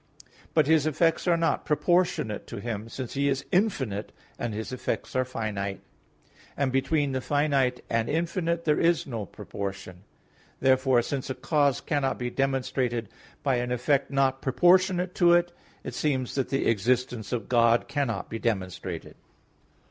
But His effects are not proportionate to Him, since He is infinite and His effects are finite; and between the finite and infinite there is no proportion. Therefore, since a cause cannot be demonstrated by an effect not proportionate to it, it seems that the existence of God cannot be demonstrated.